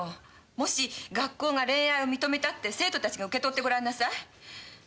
もし学校が恋愛を認めたって生徒達が受け取ってごらんなさい